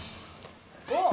おっ！